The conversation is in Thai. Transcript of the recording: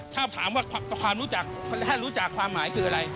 ถ้าถามว่าความรู้จักถ้ารู้จักความหมายคืออะไร